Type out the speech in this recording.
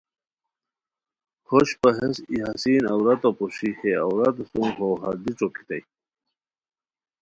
خوشپہ ہیس ای حسین عورتو پوشی ہے عورتو سوم ہو ہردی ݯٔوکیتائے